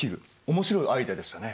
面白いアイデアでしたね。